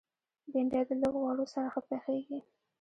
بېنډۍ د لږ غوړو سره ښه پخېږي